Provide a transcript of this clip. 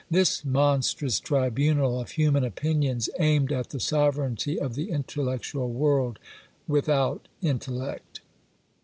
This monstrous tribunal of human opinions aimed at the sovereignty of the intellectual world, without intellect.